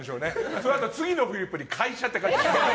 そのあと次のフリップに会社って書いてました。